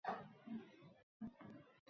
Ana kayfiyatimiz qanaqa koʻtariladi?!